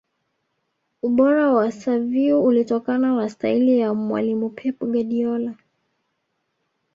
ubora wa xaviu ulitokana na staili ya mwalimu Pep Guardiola